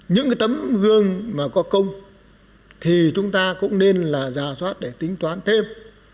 những tấm gương có công thì chúng ta cũng nên là giả soát để tính toán thêm